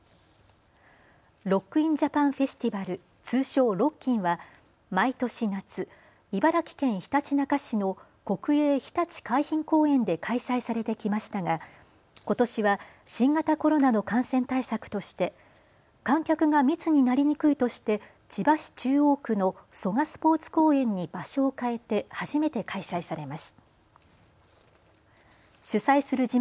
ロック・イン・ジャパン・フェスティバル通称ロッキンは毎年夏、茨城県ひたちなか市の国営ひたち海浜公園で開催されてきましたがことしは新型コロナの感染対策として観客が密になりにくいとして千葉市中央区の蘇我スポーツ公園に場所を変えて初めて開催されます。